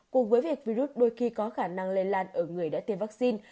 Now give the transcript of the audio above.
cùng với việc virus đôi khi có khả năng lây lan ở người đã tiêm vaccine